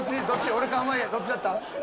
俺か濱家どっちだった？